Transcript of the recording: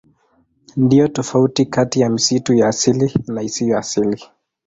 Ndiyo tofauti kati ya misitu ya asili na isiyo ya asili.